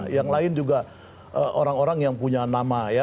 yang lain juga orang orang yang punya nama ya